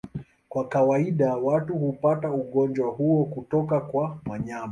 Kwa kawaida watu hupata ugonjwa huo kutoka kwa wanyama.